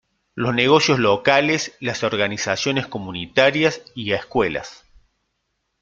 Los negocios locales, las organizaciones comunitarias, y escuelas.